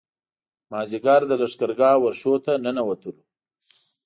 مازیګر د لښکرګاه ورشو ته ننوتلو.